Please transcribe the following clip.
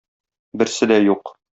Берсе дә юк.